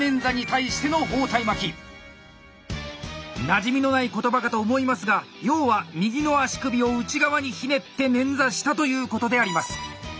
なじみのない言葉かと思いますが要は右の足首を内側にひねって捻挫したということであります。